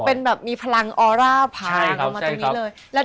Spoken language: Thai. เป็นแบบมีพลังออร่าผ่านออกมาตรงนี้เลย